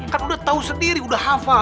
kan udah tahu sendiri udah hafal